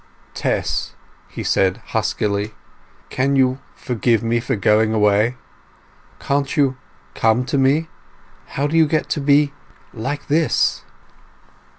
"Tess!" he said huskily, "can you forgive me for going away? Can't you—come to me? How do you get to be—like this?"